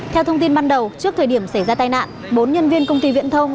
theo thông tin ban đầu trước thời điểm xảy ra tai nạn bốn nhân viên công ty viễn thông